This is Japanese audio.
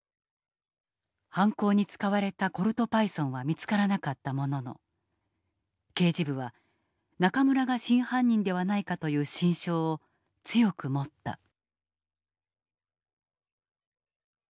犯行に使われたコルトパイソンは見つからなかったものの刑事部は中村が真犯人ではないかという心証を強く持った。